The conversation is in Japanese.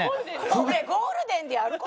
これゴールデンでやる事？